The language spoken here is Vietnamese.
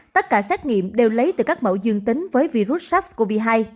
tất cả xét nghiệm đều lấy từ các mẫu dương tính với virus sars cov hai